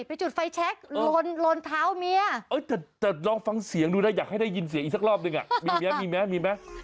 ไปจุดไฟแชคโรนโรนเท้ามียะเออแต่แต่ลองฟังเสียงดูนะอยากให้ได้ยินเสียงอีกสักรอบหนึ่งอ่ะมีแม่มีแม่มีแม่